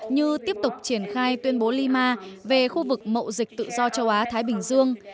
như tiếp tục triển khai tuyên bố lima về khu vực mậu dịch tự do châu á thái bình dương